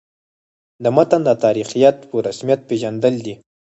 د متن د تاریخیت په رسمیت پېژندل دي.